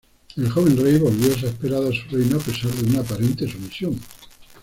El joven rey volvió exasperado a su reino, a pesar de una aparente sumisión.